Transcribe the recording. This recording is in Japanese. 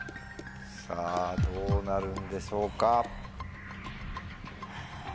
さぁどうなるんでしょうか。